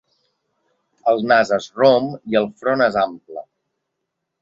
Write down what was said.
El nas és rom i el front és ample.